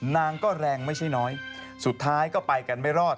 นางก็แรงไม่ใช่น้อยสุดท้ายก็ไปกันไม่รอด